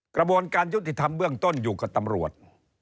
กระบวนการยุติธรรมเบื้องต้นอยู่กับตำรวจ